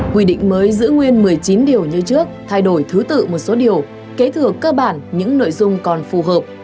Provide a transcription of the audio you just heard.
quy định mới giữ nguyên một mươi chín điều như trước thay đổi thứ tự một số điều kế thừa cơ bản những nội dung còn phù hợp